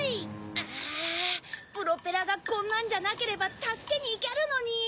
あプロペラがこんなんじゃなければたすけにいけるのに！